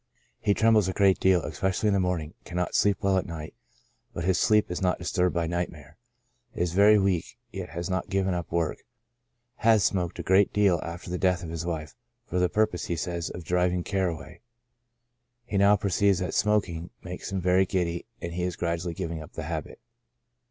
He trembles a great deal, especially in the morning ; cannot sleep well at night, but his sleep is not disturbed by nightmare. Is very weak, yet has not given up work. Has smoked a great deal after the death of his wife, for the purpose, he says, of driving care away ; he now perceives that smoking makes him very giddy, and he is gradually giving up the habit.